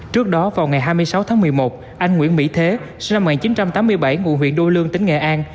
trước đó vào ngày hai mươi sáu tháng một mươi một anh nguyễn mỹ thế sinh năm một nghìn chín trăm tám mươi bảy ngụ huyện đô lương tỉnh nghệ an